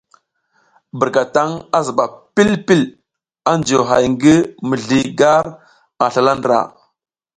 Birkataŋ a zuba pil pil a juyo hay ngi mizli gar ar slala ndra.